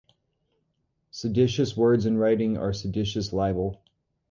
Seditious words in writing are seditious libel.